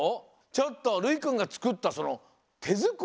ちょっとるいくんがつくったそのてづくり？